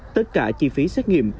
tất cả chi phí xét nghiệm